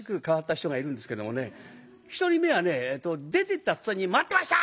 １人目はね出てった途端に「待ってました！